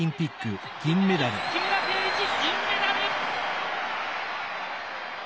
木村敬一銀メダル。